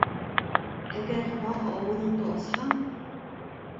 Әгәр тағы ауыҙыңды асһаң!